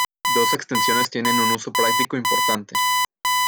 Dos extensiones tienen un uso práctico importante.